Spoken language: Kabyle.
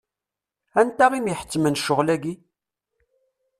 Anta i m-iḥettmen ccɣel-agi?